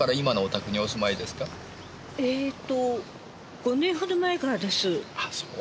えっと５年ほど前からです。